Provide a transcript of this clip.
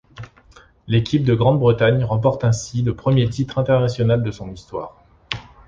L'équipe de Grande-Bretagne remporte ainsi le premier titre international de son histoire.